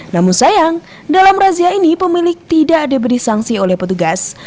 namun sayang dalam razia ini pemilik tidak diberi sanksi oleh petugas